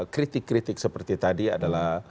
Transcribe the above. kritik kritik seperti tadi adalah